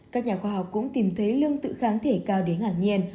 các nhà khoa học cũng tìm thấy lương tự kháng thể cao đến ngạc nhiên